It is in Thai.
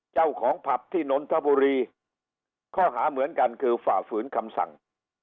เจ้าของผับที่นนทบุรีข้อหาเหมือนกันคือฝ่าฝืนคำสั่ง